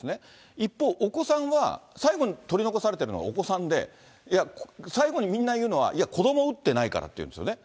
一方、お子さんは、最後に取り残されてるのはお子さんで、いや、最後にみんな言うのは、いや、子ども打ってないからって言うんですよね。